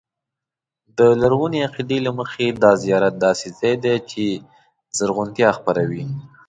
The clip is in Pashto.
د لرغوني عقیدې له مخې دا زیارت داسې ځای دی چې زرغونتیا خپروي.